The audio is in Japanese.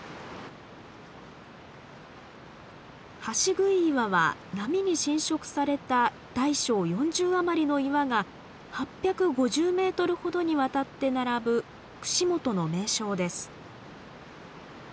橋杭岩は波に浸食された大小４０余りの岩が８５０メートルほどにわたって並ぶ串本の名勝です。